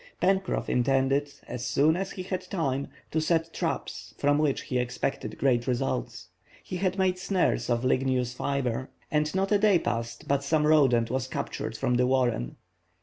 Pencroff intended, as soon as he had time, to set traps, from which he expected great results. He had made snares of ligneous fibre, and not a day passed but some rodent was captured from the warren.